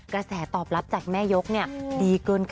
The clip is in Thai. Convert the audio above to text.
กระแสตอบรับจากแม่ยกดีเกินคา